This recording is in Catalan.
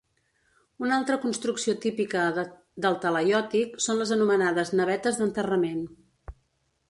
Una altra construcció típica del talaiòtic són les anomenades navetes d'enterrament.